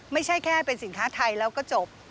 ไม่ใช่แค่เป็นสินค้าไทยแล้วก็จบ